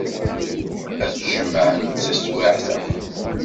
Ad t-tjemɛemt taswiɛt-a.